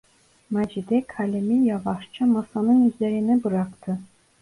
Macide kalemi yavaşça masanın üzerine bıraktı.